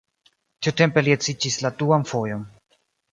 Tiutempe li edziĝis la duan fojon.